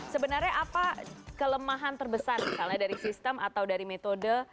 sebenarnya apa kelemahan terbesar misalnya dari sistem atau dari metode